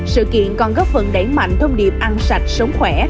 sự kiện còn góp phần đẩy mạnh thông điệp ăn sạch sống khỏe